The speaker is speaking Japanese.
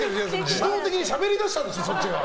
自動的にしゃべりだしたんでしょそっちが！